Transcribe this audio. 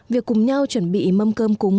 việc cùng nhau chuẩn bị mâm cơm cúng